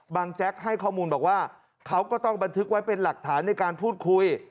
แจ๊กให้ข้อมูลบอกว่าเขาก็ต้องบันทึกไว้เป็นหลักฐานในการพูดคุย